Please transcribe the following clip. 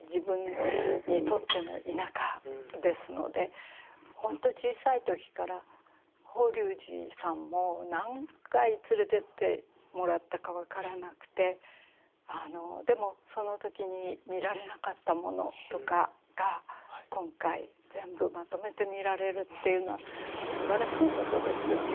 自分にとっての田舎ですのでほんと小さい時から法隆寺さんも何回連れてってもらったか分からなくてでもその時に見られなかったものとかが今回全部まとめて見られるっていうのはすばらしいことですよね。